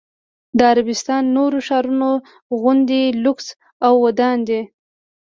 د عربستان نورو ښارونو غوندې لوکس او ودان دی.